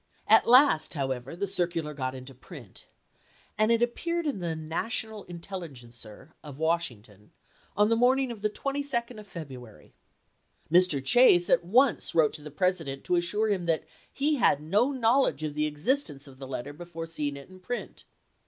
At last, however, the circular got into print, and it appeared in the " National Intelligencer " of Washington on the morning of the 22d of Feb ruary. Mr. Chase at once wrote to the President to assure him that he had no knowledge of the existence of the letter before seeing it in print.